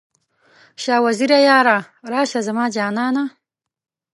شاه وزیره یاره، راشه زما جانه؟